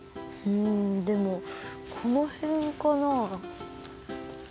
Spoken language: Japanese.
うんでもこのへんかな？